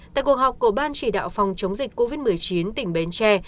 tại cuộc họp của ban chỉ đạo phòng chống dịch covid một mươi chín tỉnh bến tre